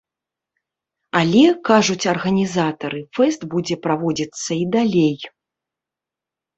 Але, кажуць арганізатары, фэст будзе праводзіцца і далей.